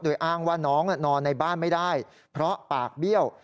โดยอ้างว่าน้องนอนในบ้านไม่ได้เพราะปากเบี้ยว